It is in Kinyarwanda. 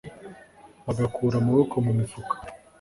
bagakura amaboko mu mifuka